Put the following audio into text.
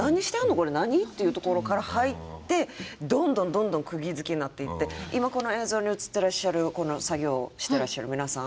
これ何？」っていうところから入ってどんどんどんどんくぎづけになっていって今この映像に映ってらっしゃるこの作業してらっしゃる皆さん。